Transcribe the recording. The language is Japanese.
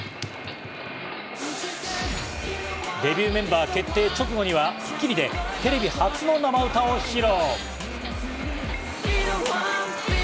デビューメンバー決定直後には『スッキリ』でテレビ初の生歌を披露。